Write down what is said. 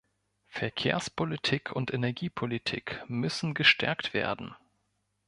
Verkehrspolitik und Energiepolitik müssen gestärkt werden.